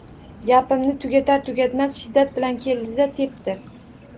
Gapini tugatar tugatmas shiddat bilan keldi-da tepdi.